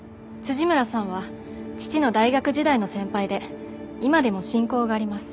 村さんは父の大学時代の先輩で今でも親交があります。